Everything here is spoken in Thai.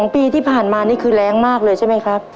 ๒ปีที่ผ่านมานี่คือแรงมากเลยใช่ไหมครับ